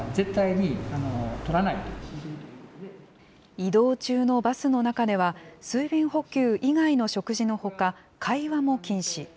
移動中のバスの中では、水分補給以外の食事のほか、会話も禁止。